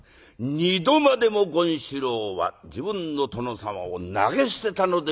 二度までも権四郎は自分の殿様を投げ捨てたのでございます。